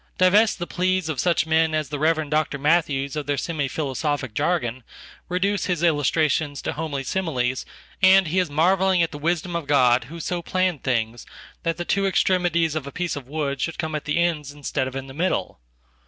Divest the pleas of such men as the Rev. Dr. Matthews of theirsemi philosophic jargon, reduce his illustrations to homelysimiles, and he is marvelling at the wisdom of God who so plannedthings that the two extremities of a Piece of wood should come atthe ends instead of in the middle.